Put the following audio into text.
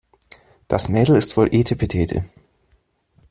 Das Mädel ist voll etepetete.